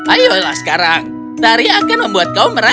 ayolah sekarang tari akan membuat kau merasa